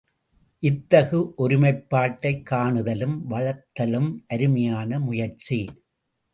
இத்தகு ஒருமைப்பாட்டைக் காணுதலும் வளர்த்தலும் அருமையான முயற்சி.